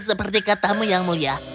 seperti katamu yang mulia